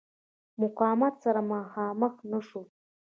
مقاومت سره مخامخ نه شول.